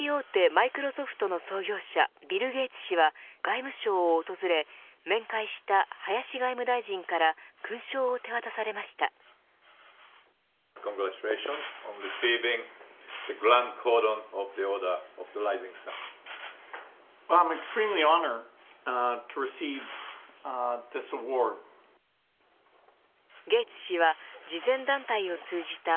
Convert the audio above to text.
マイクロソフトの創業者ビル・ゲイツ氏は外務省を訪れ面会した林外務大臣から勲章を手渡されました。